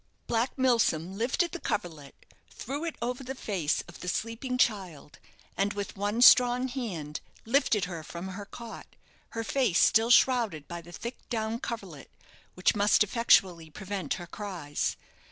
Black Milsom lifted the coverlet, threw it over the face of the sleeping child, and with one strong hand lifted her from her cot, her face still shrouded by the thick down coverlet, which must effectually prevent her cries.